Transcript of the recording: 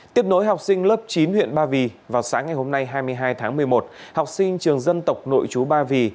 tiếp nối học sinh lớp chín huyện ba vì vào sáng ngày hôm nay hai mươi hai tháng một mươi một học sinh trường dân tộc nội chú ba vì